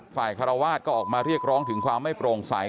คารวาสก็ออกมาเรียกร้องถึงความไม่โปร่งใส